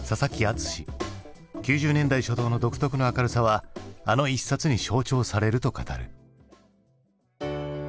９０年代初頭の独特の明るさはあの一冊に象徴されると語る。